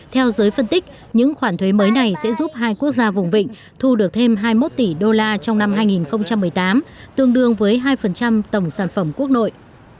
theo giới phân tích những khoản thuế mới này sẽ giúp hai quốc gia vùng vịnh thu được thêm hai mươi một tỷ đô la trong năm hai nghìn một mươi tám tương đương với hai tổng sản phẩm quốc nội